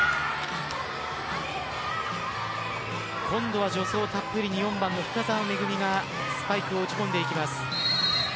今度は助走たっぷりに４番の深澤めぐみがスパイクを打ち込んでいきます。